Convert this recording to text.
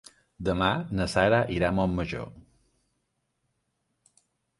Demà na Sara irà a Montmajor.